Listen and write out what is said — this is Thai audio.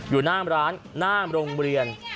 อยู่หน้าร้านหน้าโรงเรียน